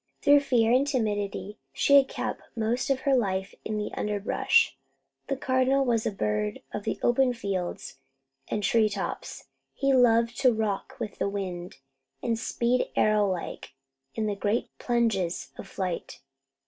Through fear and timidity she had kept most of her life in the underbrush. The Cardinal was a bird of the open fields and tree tops. He loved to rock with the wind, and speed arrow like in great plunges of flight.